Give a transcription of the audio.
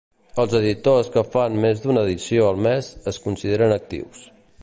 Els editors que fan més d'una edició al mes es consideren actius.